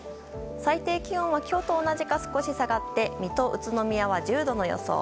最低気温は今日と同じか少し下がって水戸、宇都宮は１０度の予想。